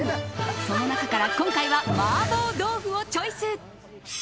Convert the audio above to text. その中から、今回は麻婆豆腐をチョイス。